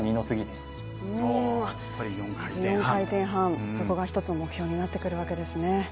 まず４回転半、そこが１つの目標になってくるわけですね。